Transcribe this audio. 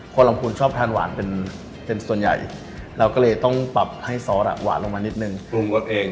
ลำพูนชอบทานหวานเป็นส่วนใหญ่เราก็เลยต้องปรับให้ซอสหวานลงมานิดนึงปรุงรสเอง